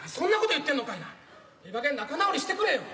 ええかげん仲直りしてくれよ。